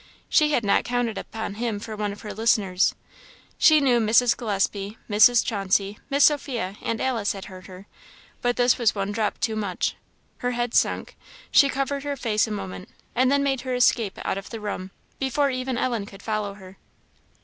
She had not counted upon him for one of her listeners; she knew Mrs. Gillespie, Mrs. Chauncey, Miss Sophia, and Alice, had heard her; but this was the one drop too much. Her head sunk; she covered her face a moment, and then made her escape out of the room, before even Ellen could follow her.